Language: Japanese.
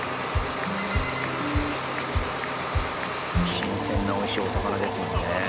新鮮な美味しいお魚ですもんね。